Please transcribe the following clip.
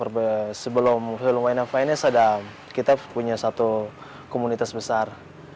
jadi waktu itu kita ada sebelum film wayna finest ada kita punya satu komunitas besar